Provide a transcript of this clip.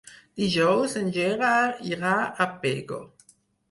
Dijous en Gerard irà a Pego.